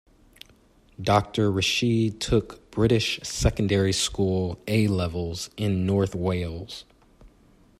Doctor Rashid took British secondary school 'A-Levels' in North Wales.